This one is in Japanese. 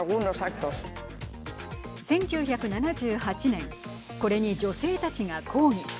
１９７８年女性たちが抗議。